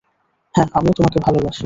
হ্যাঁ, আমিও তোমাকে ভালোবাসি!